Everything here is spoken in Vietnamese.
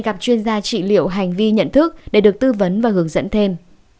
bạn có thể gặp chuyên gia trị liệu hành vi nhận thức để được tư vấn và hướng dẫn thêm